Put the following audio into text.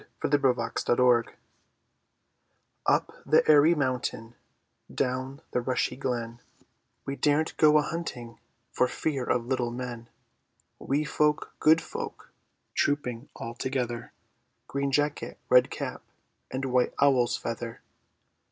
FAIRY LAND THE FAIRIES Up the airy mountain, Down the rushy glen, We daren't go a hunting For fear of little men; Wee folk, good folk, Trooping all together; Green jacket, red cap, And white owl's feather!